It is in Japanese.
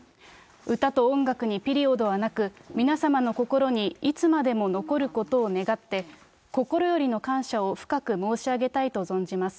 歌と音楽にピリオドはなく、皆様の心にいつまでも残ることを願って、心よりの感謝を深く申し上げたいと存じます。